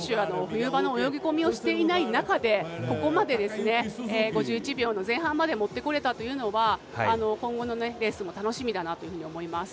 冬場の泳ぎ込みをしていない中でここまでですね５１秒の前半まで持ってこれたというのは今後のレースも楽しみだなというふうに思います。